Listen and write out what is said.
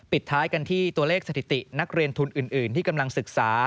ท้ายกันที่ตัวเลขสถิตินักเรียนทุนอื่นที่กำลังศึกษา